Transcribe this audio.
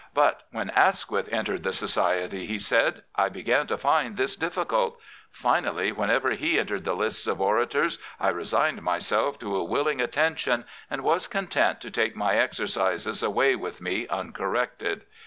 But when Asquith entered the society," he said, " I began to find this difi&cult. ... Fin^ally, whenever he entered the lists of orators I resigned myself to a willing attention, and was content to take my exercises away with me uncorrected."